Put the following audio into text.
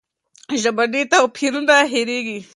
ژبني توپیرونه هېرېږي.